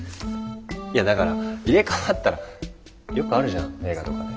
いやだから入れ代わったらよくあるじゃん映画とかで。